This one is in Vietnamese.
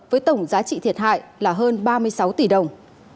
với tổng giá trị thiệt hại là hơn ba mươi sáu tỷ đồng